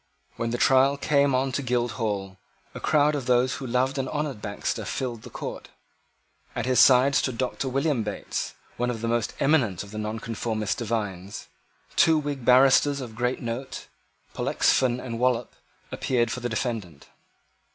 When the trial came on at Guildhall, a crowd of those who loved and honoured Baxter filled the court. At his side stood Doctor William Bates, one of the most eminent of the Nonconformist divines. Two Whig barristers of great note, Pollexfen and Wallop, appeared for the defendant.